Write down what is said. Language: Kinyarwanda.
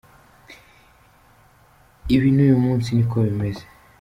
Ibi n’uyu munsi ni ko bimeze.